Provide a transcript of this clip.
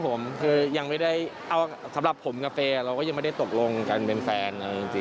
ตอนนี้ยังนะครับผมสำหรับผมกับเฟย์เราก็ยังไม่ได้ตกลงกันเป็นแฟน